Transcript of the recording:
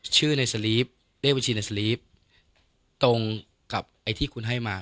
ชื่อในสลีฟเลขบัญชีในสลีฟตรงกับไอ้ที่คุณให้มา